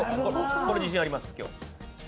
これ自信あります、今日。